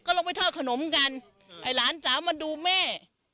ก็ลองไปท่อขนมกันไอหลานสามาร์ดูแม่